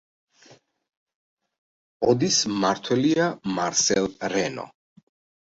ოდის მმართველია მარსელ რენო.